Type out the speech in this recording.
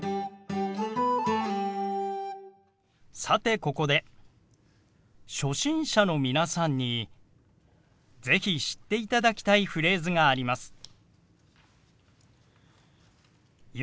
さてここで初心者の皆さんに是非知っていただきたいフレーズがあります。